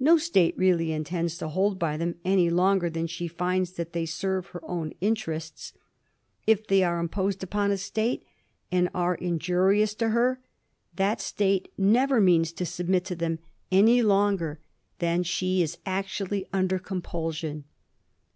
No State really intends to hold by them any longer than she finds that they serve her own interests. If they are im posed upon a State and are injurious to her, that State never means to submit to them any longer than she Digiti zed by Google 1723 SPAIN. 299 is actually under compulsion.